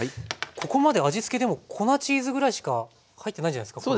ここまで味付けでも粉チーズぐらいしか入ってないんじゃないですか？